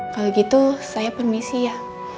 kalau gitu saya permisi ya